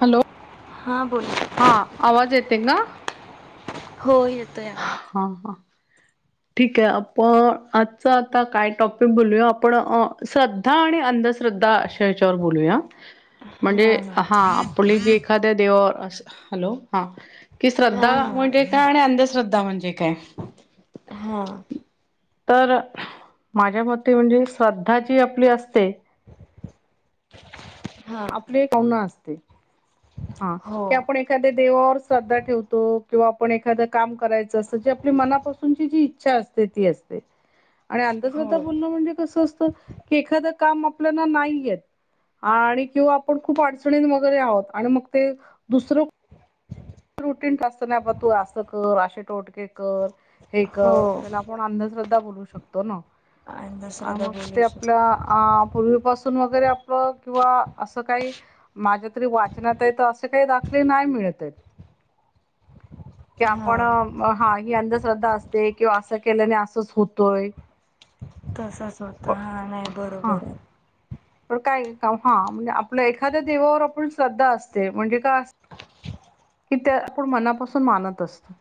Hello हा बोला हा आवाज येतय का? हो येतोय आवा हा ठीके आपण आजचं आता काय टॉपिक बोलूया आपण श्रद्धा आणि अंधश्रद्धा अशा ह्यच्यावर बोलूया म्हणजे हा आपली जी एखाद्या देवावर असं हॅलो हा कि हा श्रद्धा हा. म्हणजे काय आणि अंधश्रद्धा म्हणजे काय? हा. तर माझ्या मते म्हणजे श्रद्धा जी आपली असते. हा ते गाऊन असते हा हो. की आपण एक एखादे देवावर श्रद्धा ठेवतो किंवा आपण एखादं काम करायचं असं जी आपली मनापासूनची जी इच्छा असते. असते आणि हो. अंधश्रद्धा बोलणं म्हणजे कस असतं की एखादं काम आपल्याला नाही येत. आणि किंवा आपण खूप अडचणी वगैरे आहोत आणि मग ते दुसरं रुटीन असत ना तू असं कर अशे टोटके कर हे हो कर त्याला म्हणून अंधश्रद्धा बोलू शकतो ना अंधश्रद्धा मग बोलू ते शक आपल्या अ पूर्वीपासून वगैरे आपलं किंवा असं काही माझ्या तरी वाचनात आहे तर असे काही दाखले नाही मिळत आहेत. कि हा आपण हा ही अंधश्रद्धा असते किंवा असं केल्याने असंच होतोय. तसच होत प- हा नाही हा बरोबर आहे. पण काय हा म्हणजे आपल्या एखाद्या देवावर आपण श्रद्धा असते म्हणजे का कि ते आपण मनापासून मानत असतो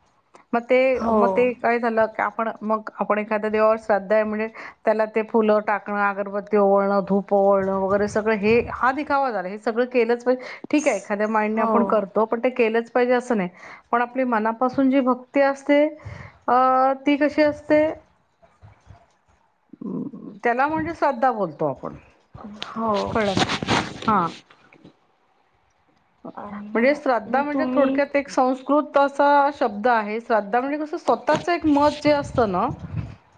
मग ते हो मग ते काही झालं की आपण मग आपण एखाद्या देवावर श्रद्धा आहे म्हणजे त्याला ते फुलं टाकणं, अगरबत्ती ओवाळणं, धूप ओवाळणं वगैरे सगळं हे हा दिखावा झालाय सगळं केलंच पाहिजे. ठीक आहे एखाद्या मायेने हो आपण करतो पण ते केलंच पाहिजे अस नाही, पण आपली मनापासून जी भक्ती असते अ ती कशी असते? त्याला म्हणजे श्रद्धा बोलतो आपण हो. कळलं का? हां. आणि म्हणजे मग श्रद्धा मग म्हणजे तुम्ही थोडक्यात एक संस्कृत असा शब्द आहे. श्रद्धा म्हणजे कसं स्वतःच एक मत जे असतं ना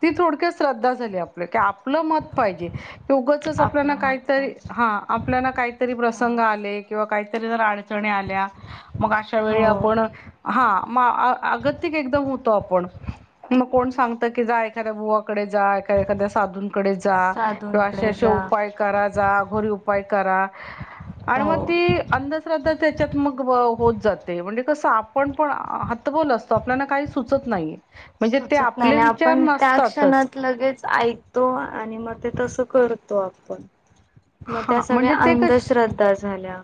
ती थोडक्यात श्रद्धा झाली. आपलं कि आपलं मत पाहिजे. उगाचच आपलं आपल्याला मत काहीतरी पाहिजे हा आपल्याला काहीतरी प्रसंग हा. आले किंवा काही तरी जरा अडचणी आल्या मग अशा हो वेळी आपण हा म, अगतिक एकदम होतो आपण आणि मग कोण सांगत की, जा एखाद्या बुवाकडे जा एखाद एखाद्या साधू कडे जा किंवा अशे साधूंकडे जा असउपाय करा जा अघोरी उपाय करा आणि हो. मग ती अंधश्रद्धा त्याच्यात मग होत जाते, म्हणजे कसं आपण पण हातबल असतो. तो आपल्याला काही सुचत नाही. म्हणजे ते सुचत नाही आपले ना, विचार आपण त्या नसतातच क्षणात लगेच ऐक तो आणि मग ते तस करतो आपण मग हा त्या सगळ्या म्हणजे ते कश अंधश्रद्धा झाल्या.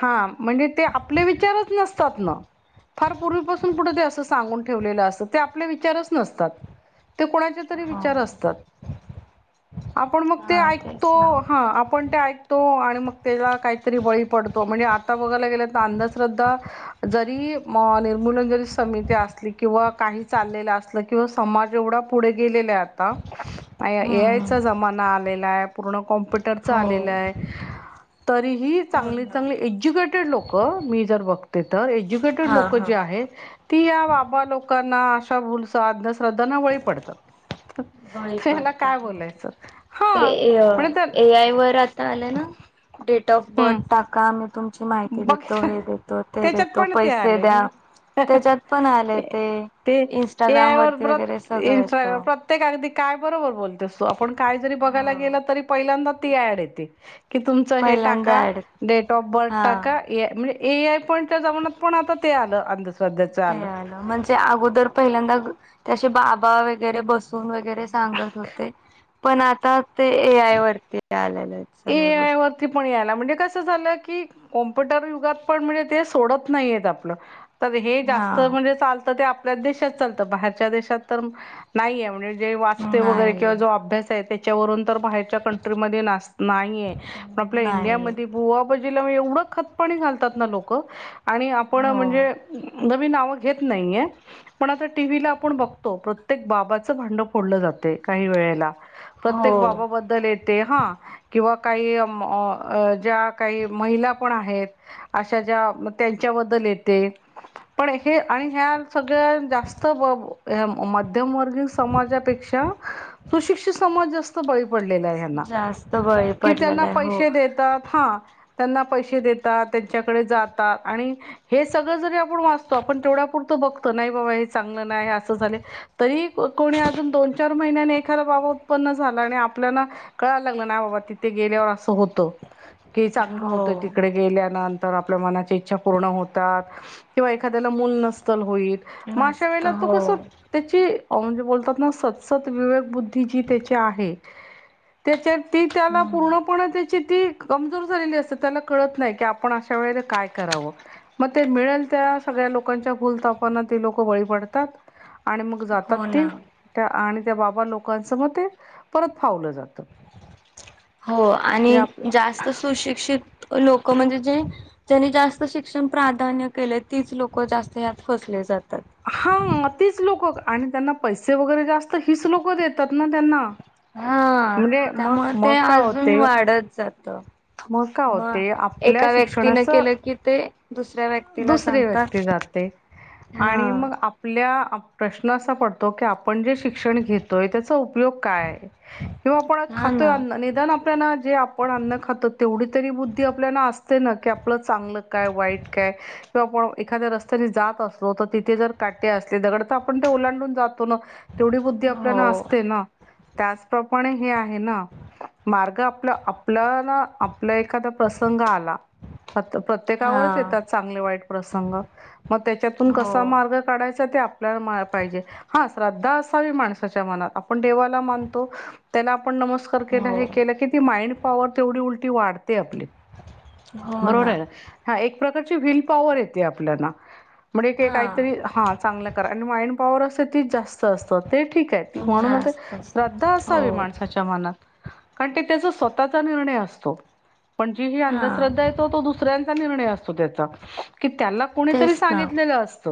हा म्हणजे ते आपले विचारच नसतात ना फार पूर्वीपासून कुठे ते असं सांगून ठेवलेलं असतं? ते आपले विचारच नसतात. ते कोणाचे तरी हो. विचार असतात? आपण मग ते हा तेच ऐकतो. ना. हा आपण ते ऐकतो आणि मग त्याला काहीतरी बळी पड तो म्हणजे आता बघायला गेला, तर अंधश्रद्धा जरी म निर्मूलन जरी समिती, असली किंवा काही चाललेल अस ल किंवा समाज एवढा पुढे गेलेला आहे आता नाही ए हम्म आय हम्म. चा जमाना आलेला हाय, पूर्ण कॉम्प्युटरचा हो आलेला हाय. तरीही चांगली पूर्ण चांगली एज्युकेटेड लोक मी जर बघते, तर एज्युकेटेड हा लोक हा जे आहेत ती या बाबा लोकांना, अशा भूलसा, अंधश्रध्दा ना बळी पडतात. बळी तर ह्याला काय पडतात बोलायचं हा ते म्हण तर ए आय वर आता आलय ना डेट ऑफ हम्म बर्थ टाका, मग तुमची माहिती ते बघ देतो, हे देतो, ते त्याच्यात देतो, पण ते पैसे आले द्या म्हणजे त्याच्यात पण आलय, ते ते ए आय इंस्टाग्राम वर वरती वगैरे परत सगळं येत. इंस्टा प्रत्येक ऍड काय बरोबर बोलतेस तू? आपण काय जरी बघायला हो. गेल तरी पहिल्यांदा ती ऍड येते. की तुमचं हे पहिल्यांदा टाका ऍड डेट ऑफ बर्थ हा. टाका ए आय म्हणजे ए आय पॉईंटच्या जमानात पण आता ते आलं अंधश्रधा ते आलं म्हणजे अगोदर पहिल्यांदा ते आस बाबा वगेरे वगैरे बसून वगैरे सांगत होते, पण आता ते ए आय वरती आलेल हाएत सगळ्या गोष्टी ते पण यायला म्हणजे कस झालं, की कॉमप्युटर युगात पण म्हणजे ते सोडत नाहीयत आपल तर हे जास्त हा म्हणजे चालतं ते, आपल्याच देशात चालतं बाहेरच्या देशात तर नाहीय म्हणजे जे वाचते वगैरे किंवा नाही जो अभ्यास आहे. त्याच्यावरून तर बाहेरच्या कंट्रीमध्ये नास नाहीये पण आपल्या नाही इंडियामध्ये बुवाबाजीला म्हंजे, एवढं खतपणी घालतात ना लोक आणि आपण हो म्हणजे नवीन नावं घेत नाहीये. पण आता टीव्हीला आपण बघतो. प्रत्येक बाबाचं भांड फोडलं जातय काही वेळेला प्रत्येक हो बाबाबद्दल येते हा किंवा काही म अ ज्या काही महिला पण आहेत, अशा ज्या त्यांच्याबद्दल येते. पण हे आणि ह्या सगळ्या जास्त मध्यमवर्गीय समाजापेक्षा अ सुशिक्षित समाज जास्त बळी पडलेला आहे ह्याना जास्त वळेत कि त्यांना पैसे देतात हा त्यांना पैसे देतात त्यांच्याकडे जाता आणि हे सगळं जरी आपण वाचतो आपण तेवढ्यापुरतं बघतो नाय बाबा हे चांगलं नाय हे असं झालं तरी कोणी अजून दोन चार महिन्याने एखादा बाबा उत्पन्न झाला आणि आपल्याला कळायला लागलं नाय बाबा तिथे गेल्यावर असं होतं की चांगलं होतं हो तिकडे गेल्यानंन तर आपल्या मनाची इच्छा पूर्ण होतात किंवा एखाद्याला मूल नसतल होईत. म अशा नसत वेळेला तो हो कस त्याची म्हणजे बोलतात ना सत्सत विवेक बुद्धी जी त्याची आहे. त्याच्यात हम्म पण त्याची ती कमजोर झालेली असते त्याला कळत नाय की आपण अशा वेळेला काय करावं. मग ते मिळेल त्या सगळ्या लोकांच्या भुलथापांना ते लोक बळी पडतात. आणि मग जातात हो ते ना त्या आणि त्या बाबा लोकांचं म ते परत फावलं जातं. हो म्हणजे आणि आप जास्त सुशिक्षित लोक म्हणजे जे ज्यांनी जास्त शिक्षण प्राधान्य केले तीच लोक जास्त ह्यात फसले जातात. हा तीच लोकं आणि त्यांना पैसे वगैरे जास्त हीच लोकं देतात ना त्यांना हा म्हणजे मग त्यामुळे मग ते काय अजून होते वाढत जात. मग काय म होते आपल्या एका व्यक्तीनं शिक्षणाच केलं की ते दुसऱ्या व्यक्तीला सांगतात. ते हा आणि मग आप आपल्या प्रश्न असा पडतो की आपण जे शिक्षण घेतोय त्याचा उपयोग काय? किंवा आपण हा खातोय ना अन्न निदान आपल्या जे आपण अन्न खात त तेवढी तरी बुद्धी आपल्याना असते ना की आपलं चांगलं काय वाईट काय किंवा आपण एखाद्या रस्त्याने जात असलो तर तिथे जर काटे असले दगड तर आपण ते ओलांडून जातो न तेवढी बुद्धी आपल्याना हो असते ना. त्याचप्रपाणे हे आहे ना मार्ग आपलं आपल्यना आपला एखादा प्रसंग आला प्रत प्रत्येकावरच हा येतात चांगले वाईट प्रसंग मग त्याच्यातून हो कसा मार्ग काढायचा ते आपल्याला पाहिजे हा श्रद्धा असावी माणसाच्या मनात आपण देवाला मानतो त्याला आपण नमस्कार केला हो हे केल की ती माइंड पॉवर तेवढी उलट वाढते आपली बरोबर हाय ना. हा एक प्रकारची व्हील पॉवर येते आपल्याला म्हणजे हा काहीतरी हा चांगल माइंड पावर असत तिच जास्त असत ते ठीक आहे ती म्हणून म्हणत जास्त श्रद्धा हो असावी माणसा सच्या मनात कारण ते त्याचा स्वतः चा निर्णय असतो. पण जी ही हा अंधश्रद्धा येतो तो दुसऱ्यांचा निर्णय असतो त्याचा की त्याला कोणीतरी तेच ना सांगितलेलं असत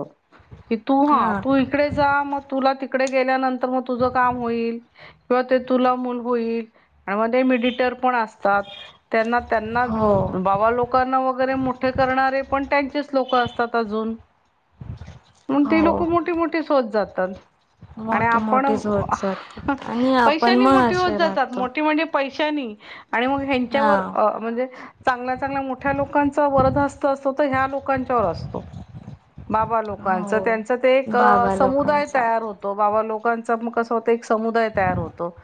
की तू हा तू तिकडे जा मग तुला तिकडे गेल्यानंतर म तुझं काम होईल. किंवा ते तुला मुलं होईल आणि मध्ये मिडिटर पण असतात. त्यांना त्यांना हो बाबा लोक लोकांना वगैरे मोठे करणारे पण त्यांचेच लोक असतात अजून. मगं ते लोक हो मोठीे मोठीच होत जातात. आणि मोठी आपण मोठीच होत जाते आणि आपण पैशानी मग मोठी होत असे जातात. राहतो मोठी म्हणजे पैशानी आणि मग हा हेंच्यावर अ म्हणजे चांगल्या चांगल्या मोठ्या लोकांचा वरदहस्त असतो तो ह्या लोकांच्यावर असतो. बाबा लोकांचं हो त्यांच ते एक बाबा समुदाय लोकांचा तयार होत. तो बाबा लोकांचा मग कसं होत एक समुदाय तयार होतो.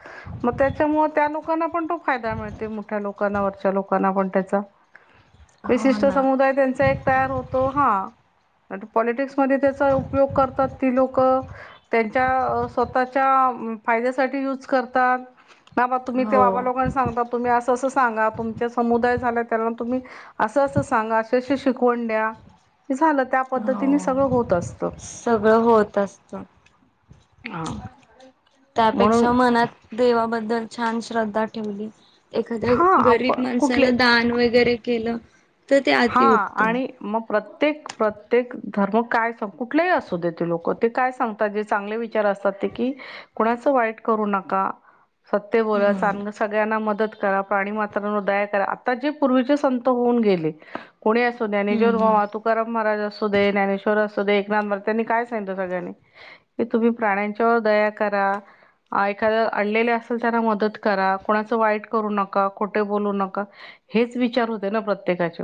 मग त्याच्यामुळे त्या लोकांना पण तो फायदा मिळते मग मोठ्या लोकांना वरच्या लोकांना पण त्याचा हो विशिष्ट ना समुदाय त्यांचा एक तयार होतो हा पॉलिटिक्समध्ये त्याचा उपयोग करतात. ती लोक त्यांच्या अ स्वतःच्या फायद्यासाठी युज करतात. ना बा तुम्ही ते हो बाबालोकांना सांगता तुम्ही असं असं सांगा तुमच्या समुदाय झाला त्याना तुम्ही असं असं सांगा अशी शिकवण द्या. की झालं त्या पद्धतीने हो सगळं होत असतं. सगळं होत असत. हा. म्हणून त्यापेक्षा मनात देवाबद्दल छान श्रद्धा ठेवली एखाद्या हा गरीब आपण माणसाला कुठले दान वगैरे केलं. तर ते हा अतिउत्तम आणि मग प्रत्येक प्रत्येक धर्म काय सांग कुठलेही असू देेत लोक ते काय सांग चांगले विचार असतात ते की कुणाच वाईट करू नका सत्य बोला हम्म चांगल सगळ्यांना मदत करा प्राणी मात्रा दया करा आता जे पूर्वीचे संत होऊन गेले. कोणी असो ज्ञानेश्वर हम्म महाराज तुकाराम महाराज असो दे ज्ञाश्वर असो एकनाथ मगं त्यांनी काय सांगितलं सगळ्यांनी की तुम्ही प्राण्यांच्यावर दया करा. एखाद अडलेले असेल त्यांना मदत करा, कोणाचं वाईट करू नका, खोटं बोलू नका. हेच विचार होते ना प्रत्येकाचे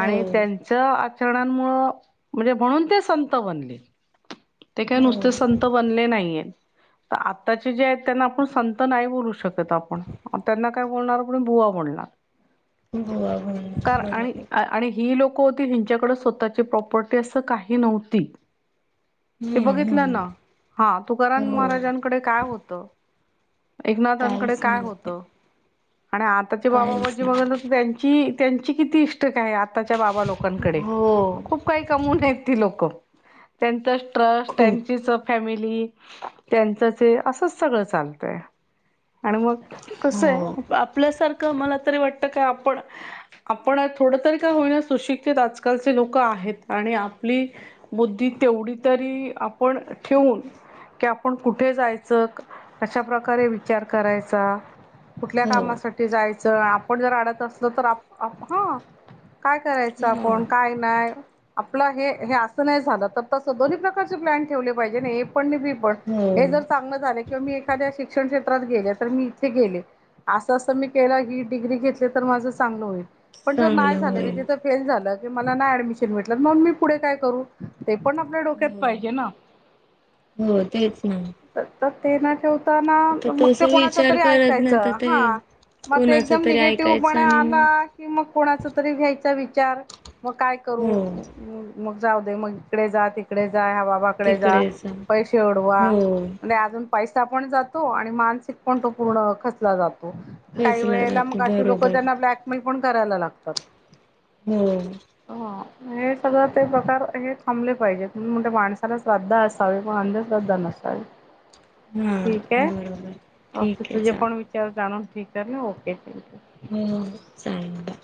आणि त्यांच्या आचरणांमुळं म्हणजे म्हणून ते संत बनले. ते हो काय हो नुसते संत बनले नाहीये. तर आत्ताचे जे आहेत त्यांना आपण संत नाही बोलू शकत आपण त्यांना काय बोलणार पण बुवा बोलणार. [inaudible] कार आणि आणि ही लोकं होती हिच्याकड स्वतःची प्रॉपर्टी असं काही नव्हती. ते हम्म बघितलं ना हम्म हा तुकारण हो महाराजांकडे काय होत? एकनाथांकडे काहीच काय नव्हते होतं? आणि आताची बाबा काहीच बाजी बघलं नाही तर त्यांची त्यांची किती ईस्ट काय आताच्या बाबा लोकांकडे हो खूप काही कमवून आहे ती लोक. त्यांच स्ट्रस्ट खूप त्यांची फॅमिली त्यांच ते असंच सगळं चालतंय. आणि मग कसं हो आहे आपल्यासारखं मला तरी वाटत का आपण आपण थोडं तरी काय होईना सुशिक्षित आजकालचे लोक आहेत आणि आपली बुद्धी तेवढी तरी आपण ठेवून कि आपण कुठे जायचं अशा प्रकारे विचार करायचा. कुठल्या हो कामासाठी जायचं आपण जर अडत असल तर आप ह काय करायचं हो आपण काय नाही. आपलं हे असं नाही झालं तर तसं दोन्ही प्रकारचे प्लॅन ठेवले पाहिजे हे पण पण हे हो, जर चांगलं झालं किंवा मी एखाद्या शिक्षण क्षेत्रात गेले तर मी इथे गेले. असं असं मी केलं की डीग्री घेतली तर माझं चांगलं होईल. पण जर नाही चांगलं झालं मी होईल तिथ फेल झालं की मला नाही ऍडमिशन भेटलं मणून मी पुढे काय करू ते पण डोक्यात हो पाहिजे ना हो तेच ना तर ते ना ठेव ना आता मग तस ते कोणाच विचार तरी करत ऐकायच नाही तर ते हा. मग ते कुणाच एकदम तरी निगेटिव्ह ऐकायचं पणा आणि आला. मग कि मग कोणाचा तरी घ्यायचा विचार मग काय करू हो मग जाऊ दे मग कडे जा तिकडे जा ह्या बाबाकडे जा तिकडेच पैसे उढवा हो म्हणजे अजून पैसा पण जातो आणि मानसिक पण तो पूर्ण खचला जातो. काही खचला वेळेला जातो मग अशी लोक बरोबर त्यांना ब्लॅकमेल पण करायला लागतात. हम्म हो. हे सगळं ते प्रकार हे थांबले पाहिजे म्हणे माणसाला श्रद्धा असावी पण अंध श्रद्धा नसावी. हा ठीक आहे बरोबर ओक ठीक आहे तुझे पण वि चालेल च जाणून ठीक कर ना ओके थँक्यू. हो चाले बा